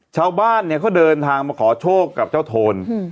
ชาวบ้านเนี่ยเขาเดินทางมาขอโชคกับเจ้าโทน